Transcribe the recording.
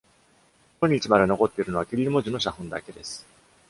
今日まで残っているのはキリル文字の写本だけです。